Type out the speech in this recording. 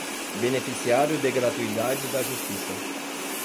beneficiário de gratuidade da justiça